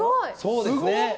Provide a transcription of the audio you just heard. そうですね。